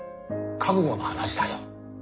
覚悟の話だよ。